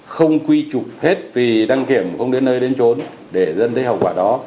không quy trục hết vì đăng kiểm không đến nơi đến trốn để dân thấy hậu quả đó